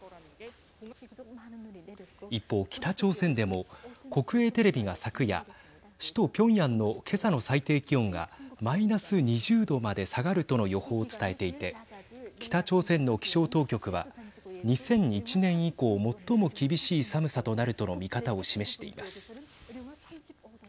一方北朝鮮でも国営テレビが昨夜首都ピョンヤンの今朝の最低気温がマイナス２０度まで下がるとの予報を伝えていて北朝鮮の気象当局は２００１年以降最も厳しい寒さとなるとの見方を示しています。